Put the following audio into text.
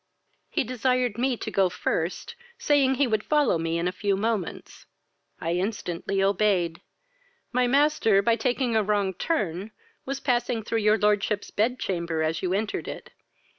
"He desired me to go first, saying he would follow me in a few moments. I instantly obeyed. My master, by taking a wrong turn, was passing through your lordship's bedchamber as you entered it.